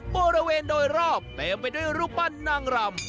บริเวณโดยรอบเต็มไปด้วยรูปปั้นนางรำ